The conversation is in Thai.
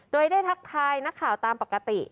โดยได้ทักทายนักข่าวตามปกติ